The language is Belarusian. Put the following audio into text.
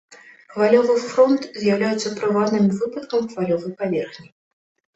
Хвалевы фронт з'яўляецца прыватным выпадкам хвалевай паверхні.